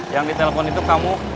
yang di telepon itu kamu